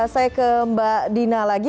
saya ke mbak dina lagi